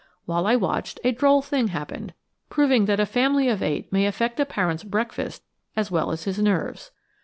While I watched, a droll thing happened, proving that a family of eight may affect a parent's breakfast as well as his nerves.